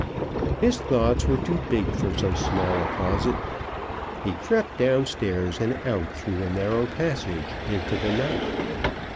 His thoughts were too big for so small a closet. He crept downstairs and out, through the narrow passage, into the night.